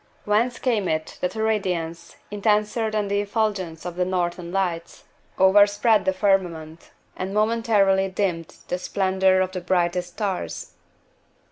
Whence came it that a radiance, intenser than the effulgence of the Northern Lights, overspread the firmament, and momentarily dimmed the splendor of the brightest stars?